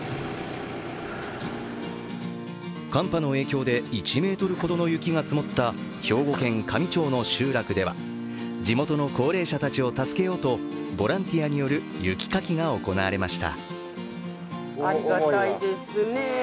寒波の影響で１ｍほどの雪が積もった兵庫県香美町の集落では地元の高齢者たちを助けようとボランティアによる雪かきが行われました。